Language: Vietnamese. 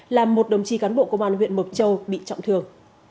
làm một đồng chí cán bộ công an huyện mộc châu bị trọng thương